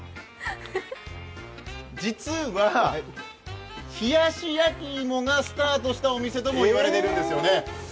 実は、冷やし焼き芋がスタートしたお店とも言われているんですよね。